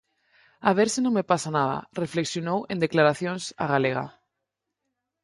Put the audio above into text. "A ver se non me pasa nada", reflexionou en declaracións á Galega.